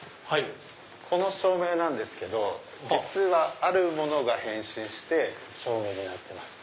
この照明なんですけど実はあるものが変身して照明になってます。